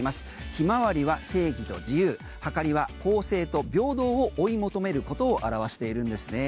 ヒマワリは正義と自由はかりは公正と平等を追い求めることを表しているんですね。